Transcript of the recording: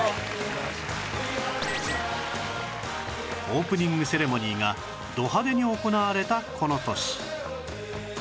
オープニングセレモニーがド派手に行われたこの年